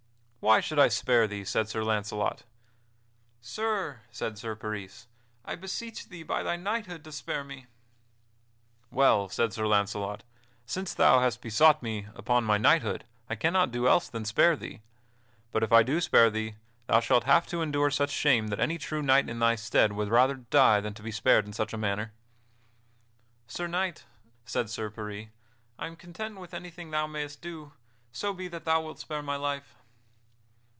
"Why should I spare thee?" said Sir Launcelot. "Sir," said Sir Peris, "I beseech thee, by thy knighthood, to spare me." "Well," said Sir Launcelot, "since thou hast besought me upon my knighthood I cannot do else than spare thee. But if I do spare thee, thou shalt have to endure such shame that any true knight in thy stead would rather die than be spared in such a manner." "Sir Knight," said Sir Peris, "I am content with anything thou mayst do, so be that thou wilt spare my life."